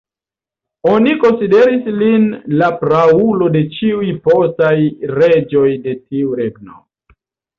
Oni konsideris lin la praulo de ĉiuj postaj reĝoj de tiu regno.